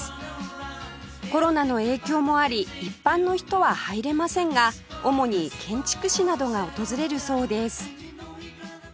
コロナの影響もあり一般の人は入れませんが主に建築士などが訪れるそうです